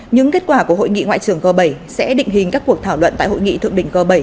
những kết quả của hội nghị ngoại trưởng g bảy sẽ định hình các cuộc thảo luận tại hội nghị thượng đỉnh g bảy